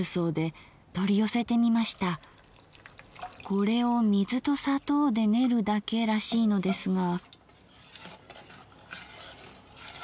これを水と砂糖で練るだけらしいのですが？